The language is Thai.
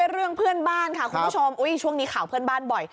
เรื่องเพื่อนบ้านค่ะคุณผู้ชมช่วงนี้ข่าวเพื่อนบ้านบ่อย